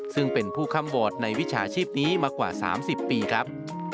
ซึ่งเป็นผู้ค่ำโหวตในวิชาชีพนี้มากว่า๓๐ปีครับ